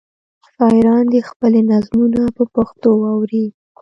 شاعران دې خپلې نظمونه په پښتو واوروي.